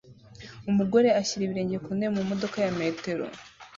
Umugore ashyira ibirenge ku ntebe mu modoka ya metero